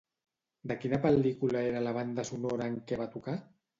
De quina pel·lícula era la banda sonora en què va tocar?